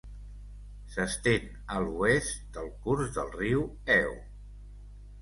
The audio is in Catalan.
S'estén a l'oest del curs del riu Eo.